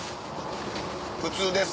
普通です。